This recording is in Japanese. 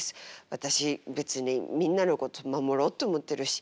私別にみんなのこと守ろうと思ってるし。